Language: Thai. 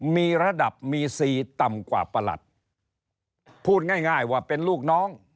มีระดับมีซีต่ำกว่าประหลัดพูดง่ายง่ายว่าเป็นลูกน้อง